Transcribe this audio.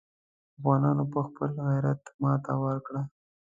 افغانانو په خپل غیرت ماته ورکړه.